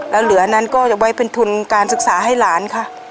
แล้วเหลือนั้นก็จะไว้เป็นทุนการศึกษาให้หลานค่ะ